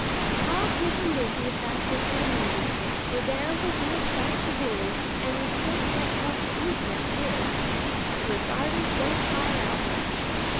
"I'll keep 'em busy if that's what they need, for there will be a sight to do, and we can't get help easy up here. Our darters don't hire out much.